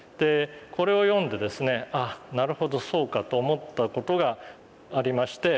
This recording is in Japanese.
これを読んで「なるほどそうか」と思った事がありまして。